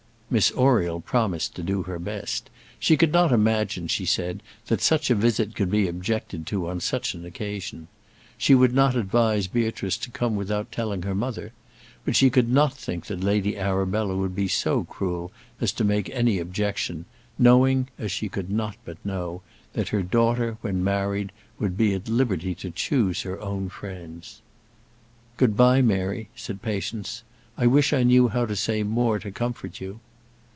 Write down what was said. Miss Oriel promised to do her best. She could not imagine, she said, that such a visit could be objected to on such an occasion. She would not advise Beatrice to come without telling her mother; but she could not think that Lady Arabella would be so cruel as to make any objection, knowing, as she could not but know, that her daughter, when married, would be at liberty to choose her own friends. "Good bye, Mary," said Patience. "I wish I knew how to say more to comfort you."